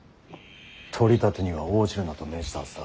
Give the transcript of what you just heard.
取り立てには応じるなと命じたはずだ。